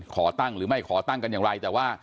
ขอตั้งหรือไม่ขอตั้งกันอย่างไรแต่ว่า